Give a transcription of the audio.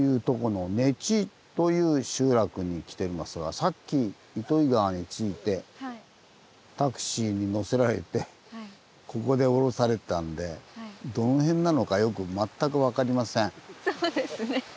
さっき糸魚川に着いてタクシーに乗せられてここで降ろされたんでどの辺なのかよく全く分かりません。